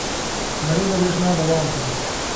لمریزه برېښنا دوام کوي.